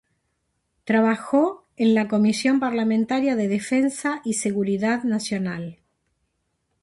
Trabajó en la Comisión Parlamentaria de Defensa y Seguridad Nacional.